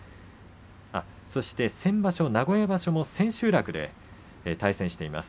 そして先場所の名古屋場所千秋楽で対戦しています。